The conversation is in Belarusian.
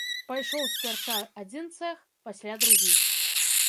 Пайшоў спярша адзін цэх, пасля другі.